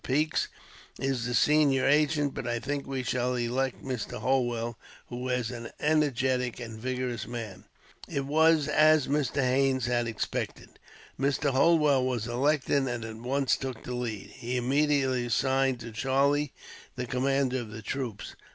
Peeks is the senior agent; but I think we shall elect Mr. Holwell, who is an energetic and vigorous man." It was as Mr. Haines had expected. Mr. Holwell was elected, and at once took the lead. He immediately assigned to Charlie the command of the troops.